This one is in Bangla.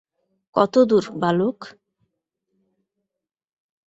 কত দূর, বালক?